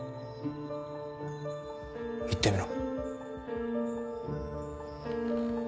言ってみろ。